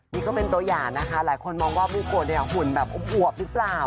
นี่ก็เป็นตัวอย่างนะคะหลายคนมองว่าบุโกะเนี่ยหุ่นแบบอวบหรือเปล่า